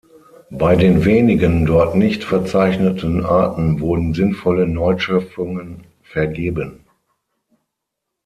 Bei den wenigen dort nicht verzeichneten Arten wurden sinnvolle Neuschöpfungen vergeben.